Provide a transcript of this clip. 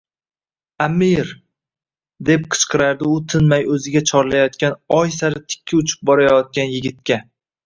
…«Аmir!» deb qichqirardi u tinmay oʼziga chorlayotgan oy sari tikka uchib borayotgan yigitga.